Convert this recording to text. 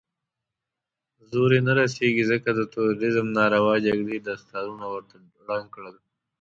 زور يې نه رسېږي، ځکه د تروريزم ناروا جګړې دستارونه ورته ړنګ کړل.